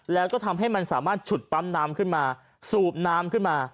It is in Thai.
แล้วก็ทำให้มันสามารถฉุดปั๊มน้ำขึ้นมาสูบน้ำขึ้นมา